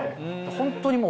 本当にもう。